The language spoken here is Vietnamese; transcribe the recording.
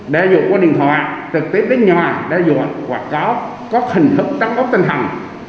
đa dụng qua điện thoại trực tiếp đến nhà đa dụng hoặc có hình hức tăng bốc tinh thần